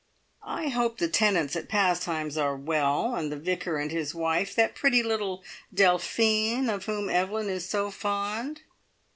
"I hope the tenants at `Pastimes' are well, and the Vicar and his wife that pretty little `Delphine' of whom Evelyn is so fond?"